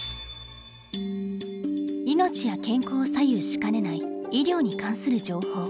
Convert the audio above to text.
命や健康を左右しかねない医療に関する情報。